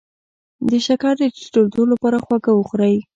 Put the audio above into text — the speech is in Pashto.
د شکر د ټیټیدو لپاره خواږه وخورئ